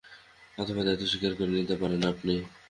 অথবা দায়িত্ব স্বীকার করে নিতে পারেন আপনি।